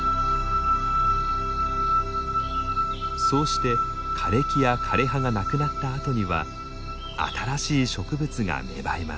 そうして枯れ木や枯れ葉がなくなったあとには新しい植物が芽生えます。